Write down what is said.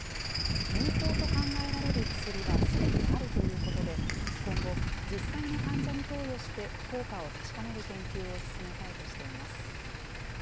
有効と考えられる薬はすでにあるということで、今後、実際の患者に投与して、効果を確かめる研究を進めたいとしています。